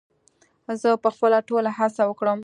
زه به خپله ټوله هڅه وکړم